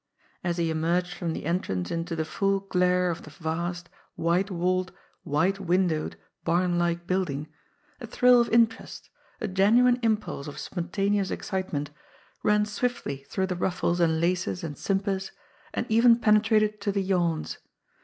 As he emerged from the entrance into the full glare of the vast, white walled, white windowed bam like building, a thrill of interest — ^a genuine impulse of spontaneous excite ment — ran swiftly through the ruffles and laces and simpers and even penetrated to the yawns.